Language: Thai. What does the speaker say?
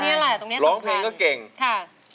ที่นี่อะไรตรงนี้สำคัญร้องเพลงก็เก่งค่ะ